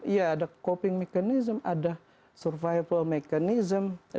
ya ada coping mekanisme ada survival mekanisme